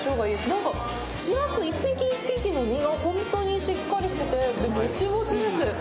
なんか、シラス１匹１匹の身が本当にしっかりしてて、もちもちです。